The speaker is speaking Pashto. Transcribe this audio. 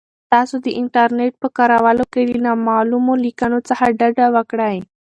تاسو د انټرنیټ په کارولو کې له نامعلومو لینکونو څخه ډډه وکړئ.